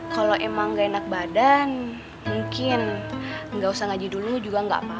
kalau emang gak enak badan mungkin nggak usah ngaji dulu juga nggak apa apa